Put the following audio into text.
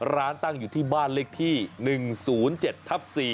ตั้งอยู่ที่บ้านเลขที่๑๐๗ทับ๔